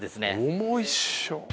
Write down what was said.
重いでしょ。